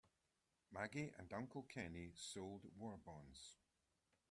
Maggie and Uncle Kenny sold war bonds.